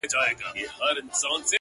نور به خبري نه کومه؛ نور به چوپ اوسېږم؛